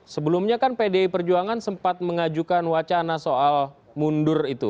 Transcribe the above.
sebelumnya kan pdi perjuangan sempat mengajukan wacana soal mundur itu